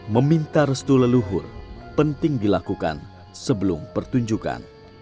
meminta restu leluhur penting dilakukan sebelum pertunjukan